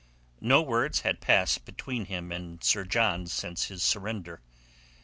No words had passed between him and Sir John since his surrender.